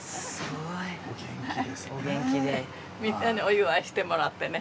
みんなでお祝いしてもらってね。